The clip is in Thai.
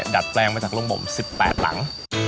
ดัดแปลงมาจากโรงบ่ม๑๘หลัง